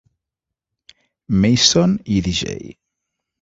Mason i D. J.